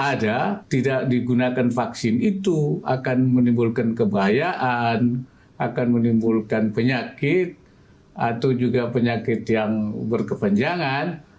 ada tidak digunakan vaksin itu akan menimbulkan kebahayaan akan menimbulkan penyakit atau juga penyakit yang berkepanjangan